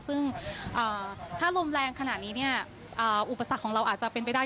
ซึ่งถ้าลมแรงขนาดนี้เนี่ยอุปสรรคของเราอาจจะเป็นไปได้